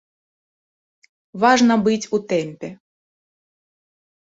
Важна быць у тэмпе.